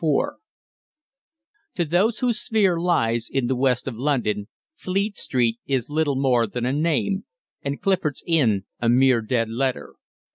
IV To those whose sphere lies in the west of London, Fleet Street is little more than a name, and Clifford's Inn a mere dead letter.